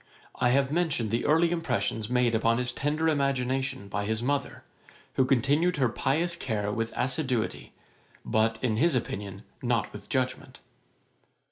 I have mentioned the early impressions made upon his tender imagination by his mother, who continued her pious care with assiduity, but, in his opinion, not with judgement.